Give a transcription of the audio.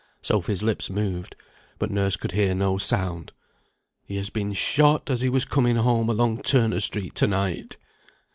Sophy's lips moved, but nurse could hear no sound. "He has been shot as he was coming home along Turner Street, to night."